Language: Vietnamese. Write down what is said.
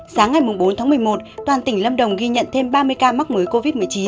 sáng ngày bốn tháng một mươi một toàn tỉnh lâm đồng ghi nhận thêm ba mươi ca mắc mới covid một mươi chín